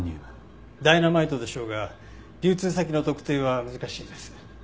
ダイナマイトでしょうが流通先の特定は難しいです。